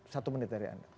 satu menit dari anda